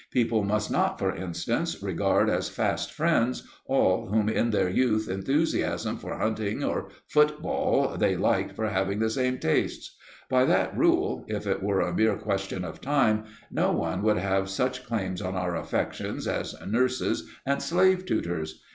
People must not, for instance, regard as fast friends all whom in their youthful enthusiasm for hunting or football they liked for having the same tastes. By that rule, if it were a mere question of time, no one would have such claims on our affections as nurses and slave tutors.